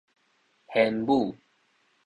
玄武